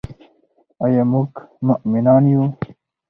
آیا موږ مومنان یو؟